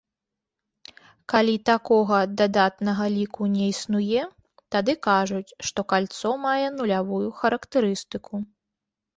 Калі такога дадатнага ліку не існуе, тады кажуць, што кальцо мае нулявую характарыстыку.